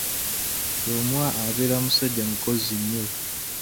Lwomwa abeera musajja mukozi nnyo.